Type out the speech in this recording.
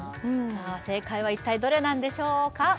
正解は一体どれなんでしょうか？